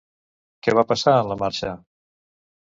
Què va passar en la marxa?